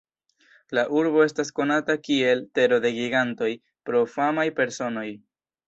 La urbo estas konata kiel "Tero de Gigantoj" pro famaj personoj.